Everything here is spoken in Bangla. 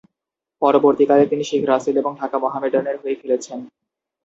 পরবর্তীকালে, তিনি শেখ রাসেল এবং ঢাকা মোহামেডানের হয়ে খেলেছেন।